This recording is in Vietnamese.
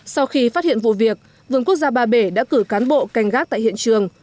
sau khi phát hiện vụ việc vườn quốc gia ba bể đã cử cán bộ canh gác tại hiện trường